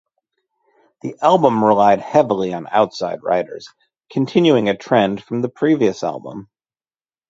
The album relied heavily on outside writers, continuing a trend from the previous album.